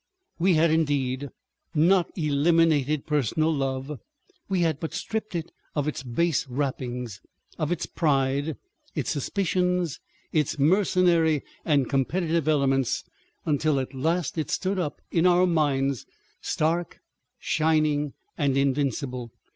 We had indeed not eliminated personal love, we had but stripped it of its base wrappings, of its pride, its suspicions, its mercenary and competitive elements, until at last it stood up in our minds stark, shining and invincible.